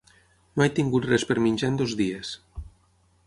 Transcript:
No he tingut res per menjar en dos dies.